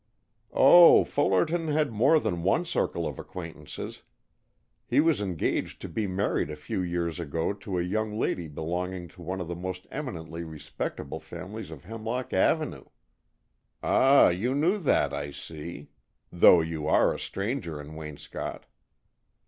"Oh, Fullerton had more than one circle of acquaintances. He was engaged to be married a few years ago to a young lady belonging to one of the most eminently respectable families of Hemlock Avenue. Ah, you knew that, I see, though you are a stranger in Waynscott."